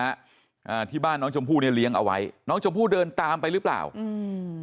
อ่าที่บ้านน้องชมพู่เนี้ยเลี้ยงเอาไว้น้องชมพู่เดินตามไปหรือเปล่าอืม